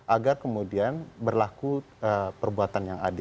agar kemudian berlaku perbuatan yang adil